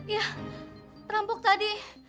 ya perampok tadi